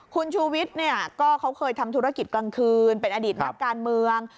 คุณชูวิตเขาเคยทำธุรกิจกลางคืนเป็นอดีตนักการเมือง